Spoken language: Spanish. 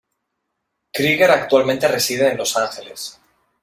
Krieger actualmente reside en Los Ángeles.